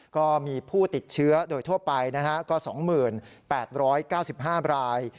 ก็มีผู้ติดเชื้อโดยทั่วไปก็๒๘๙๕ราย